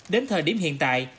đến thời điểm hiện tại